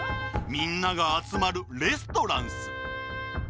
みんながあつまるレストランっす。